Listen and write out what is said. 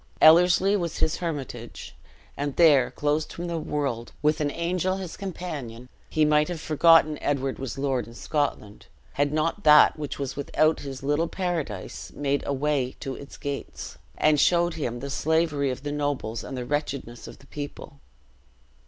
Ellerslie was his hermitage; and there, closed from the world, with an angel his companion, he might have forgotten Edward was lord in Scotland, had not that which was without his little paradise made a way to its gates, and showed him the slavery of the nobles and the wretchedness of the people.